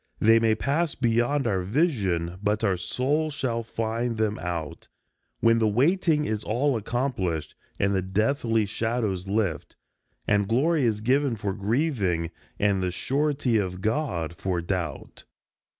They may pass beyond our vision, but our souls shall find them out, When the waiting is all accomplished, and the deathly shadows lift, And glory is given for grieving, and the surety of God for doubt.